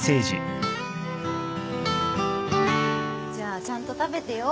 じゃあちゃんと食べてよ。